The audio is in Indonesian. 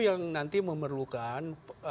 memang nanti memerlukan